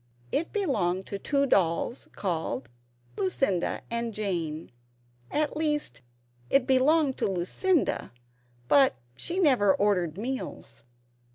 It belonged to two Dolls called Lucinda and Jane; at least it belonged to Lucinda, but she never ordered meals.